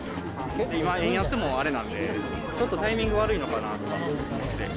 今、円安もあれなんで、ちょっとタイミング悪いのかなと思って。